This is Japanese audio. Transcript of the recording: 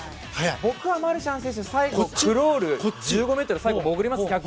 僕はマルシャン選手は最後、クロールで１５ｍ最後潜ります。